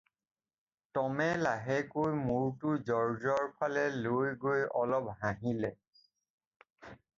টমে লাহেকৈ মুৰটো জৰ্জৰ ফালে লৈ গৈ অলপ হাঁহিলে।